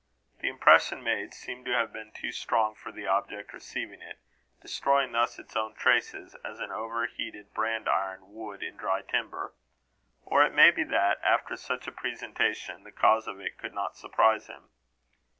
The impression made seemed to have been too strong for the object receiving it, destroying thus its own traces, as an overheated brand iron would in dry timber. Or it may be that, after such a pre sensation, the cause of it could not surprise him.